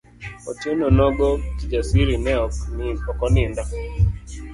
Otieno nogo Kijasiri ne oko nindo.